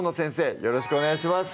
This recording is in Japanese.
はいよろしくお願い致します